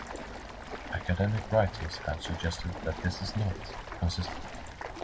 Academic writers have suggested that this is not consistent.